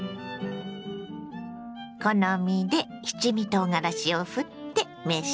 好みで七味とうがらしをふって召し上がれ。